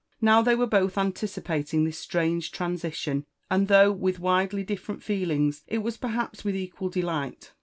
Now they were both anticipating this strange transition ; and though with widely different feelings, it was perhaps with equal delight.